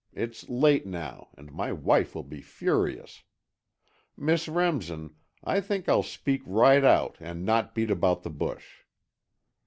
It's late now, and my wife will be furious. Miss Remsen, I think I'll speak right out and not beat about the bush."